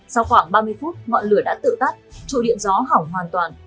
sau khoảng ba mươi phút ngọn lửa đã tự tắt trụ điện gió hỏng hoàn toàn